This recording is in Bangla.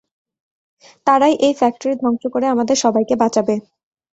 তারাই এই ফ্যাক্টরি ধ্বংস করে আমাদের সবাইকে বাঁচাবে।